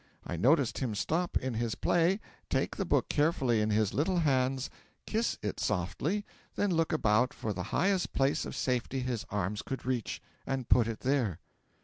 I noticed him stop in his play, take the book carefully in his little hands, kiss it softly, then look about for the highest place of safety his arms could reach, and put it there.'